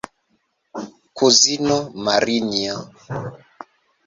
Kuzino Marinjo!